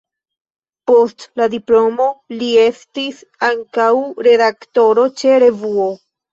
Post la diplomo li estis ankaŭ redaktoro ĉe revuo.